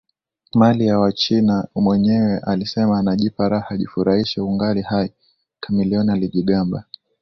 Mali ya Wachina Mwenyewe alisema anajipa raha jifurahishe ungali hai Chameleone alijigamba